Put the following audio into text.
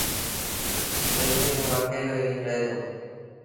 تيسيٚݩٚ اوٚ اڪيلو ئيٚ رهي دو